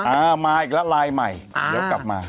อ่ามาอีกแล้วลายใหม่เดี๋ยวกลับมา